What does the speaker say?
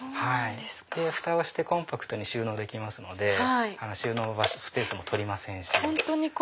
フタをしてコンパクトに収納できますので収納スペースも取りませんし。